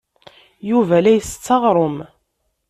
Yuba la isett aɣrum.